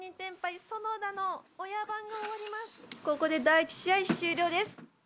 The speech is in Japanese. ここで第１試合終了です。